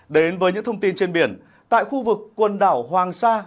đến với những thông tin trên biển tại khu vực quần đảo hoàng sa